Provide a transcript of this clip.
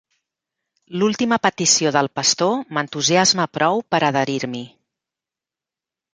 L'última petició del pastor m'entusiasma prou per adherir-m'hi.